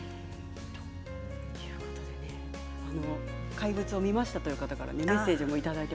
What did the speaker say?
「怪物」を見ましたという方からメッセージです。